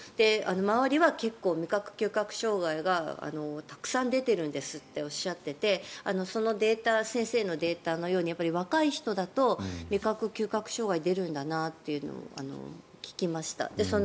周りは結構、味覚・嗅覚障害がたくさん出ているんですとおっしゃっていてそのデータ先生のデータのように若い人だと味覚・嗅覚障害が出るんだなというのを聞きました。